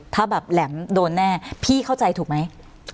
ถ้าแบบแหลมโดนแน่พี่เข้าใจถูกไหม